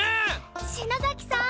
篠崎さん！